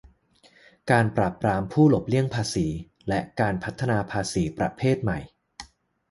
การปราบปรามผู้หลบเลี่ยงภาษี และการพัฒนาภาษีประเภทใหม่